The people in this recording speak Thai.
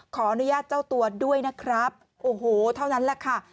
ขออนุญาตเจ้าตัวด้วยนะครับโอ้โหเท่านั้นแหละค่ะ